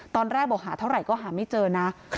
ตอนแรกบอกหาเท่าไหร่ก็หาไม่เจอนะ